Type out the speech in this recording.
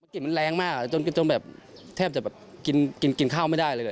กลิ่นมันแรงมากจนแบบแทบจะแบบกินข้าวไม่ได้เลย